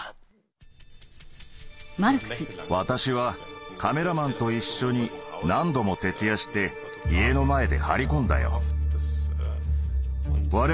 私はカメラマンと一緒に何度も徹夜して家の前で張り込んだよ。